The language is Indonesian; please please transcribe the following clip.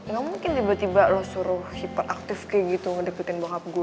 gak mungkin tiba tiba lo suruh hiperaktif kayak gitu ngedeketin bokap gue